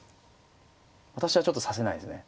私はちょっと指せないですね。